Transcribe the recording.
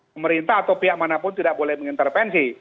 pemerintah atau pihak manapun tidak boleh mengintervensi